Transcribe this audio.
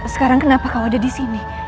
sekarang kenapa kau ada di sini